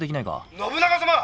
「信長様！